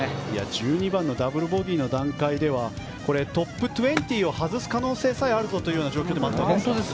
１２番のダブルボギーの段階ではトップ２０を外す形さえあるぞという状況でもあったわけです。